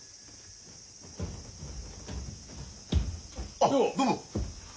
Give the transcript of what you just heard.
あどうも！